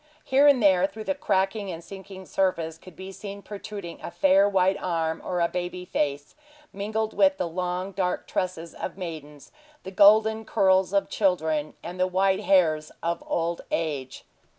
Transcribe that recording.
Here and there, through the cracking and sinking surface, could be seen protruding a fair white arm, or a baby face, mingled with the long, dark tresses of maidens, the golden curls of children, and the white hairs of old age.